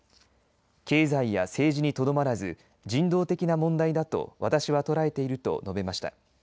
経済や政治にとどまらず人道的な問題だと私は捉えていると述べました。